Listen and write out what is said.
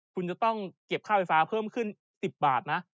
คุณจะต้องเก็บค่าไฟฟ้าเพิ่มขึ้นอีก๑๐บาทนะ